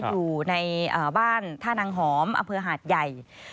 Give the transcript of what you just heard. อยู่ในบ้านท่านังหอมอำเภอหาดใหญ่